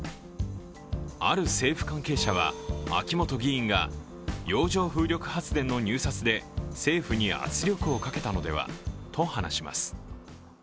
ある政府関係者は秋本議員が洋上風力発電の入札で政府に圧力をかけたのではと話します。